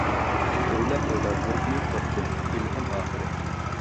ئويلا ئويلا بىر كۈنى، تاپتىم ئىلھام ئاخىرى.